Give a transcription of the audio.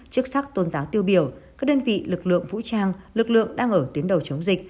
chức sắc tôn giáo tiêu biểu các đơn vị lực lượng vũ trang lực lượng đang ở tuyến đầu chống dịch